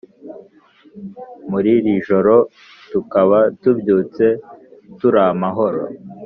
Muririjoro tukaba tubyutse turamahoro